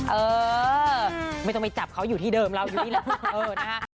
เออไม่ต้องไปจับเขาอยู่ที่เดิมเราอยู่นี่แหละ